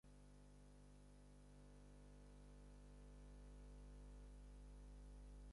Primer, aquesta és una coalició temporal.